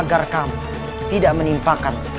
agar kamu tidak menimpakan